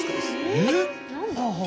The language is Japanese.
えっ⁉